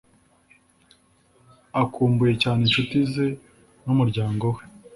Akumbuye cyane inshuti ze n’umuryango we